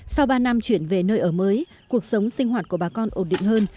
sau ba năm chuyển về nơi ở mới cuộc sống sinh hoạt của bà con ổn định hơn